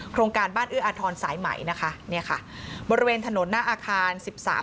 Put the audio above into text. โครงการบ้านเอื้ออทรสายไหมบริเวณถนนหน้าอาคาร๑๓๑๖